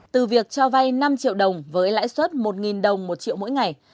từ việc cho vay năm triệu đồng với lãi suất một đồng một triệu mỗi ngày